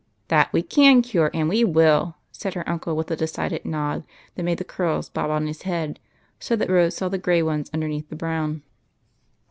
" That we can cure and we loill,'''' said her uncle, with a decided nod that made the curls bob on his head, so that Rose saw the gray ones underneath the brown.